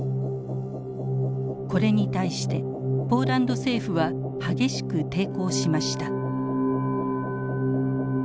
これに対してポーランド政府は激しく抵抗しました。